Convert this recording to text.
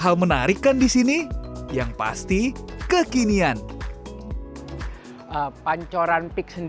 harapan apa nih kalau kita lihat harapan apa nih kalau kita lihat harapan apa nih kalau kita lihat